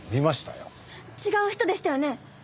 違う人でしたよね？